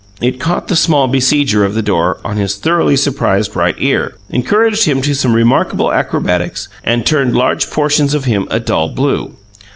It caught the small besieger of the door on his thoroughly surprised right ear, encouraged him to some remarkable acrobatics, and turned large portions of him a dull blue.